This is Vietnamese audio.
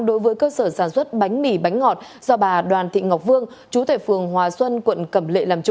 đối với cơ sở sản xuất bánh mì bánh ngọt do bà đoàn thị ngọc vương chú tại phường hòa xuân quận cẩm lệ làm chủ